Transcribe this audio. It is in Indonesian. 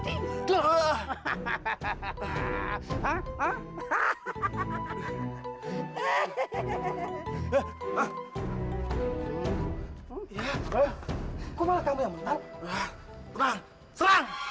kok malah kamu yang mentang